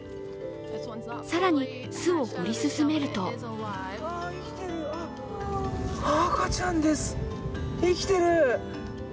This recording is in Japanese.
更に巣を掘り進めるとあ、赤ちゃんです、生きてる。